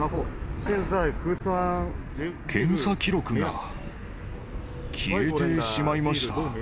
検査記録が消えてしまいまし